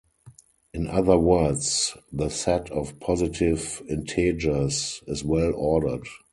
In other words, the set of positive integers is well-ordered.